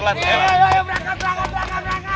berangkat berangkat berangkat